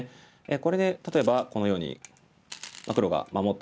これで例えばこのように黒が守ってきても。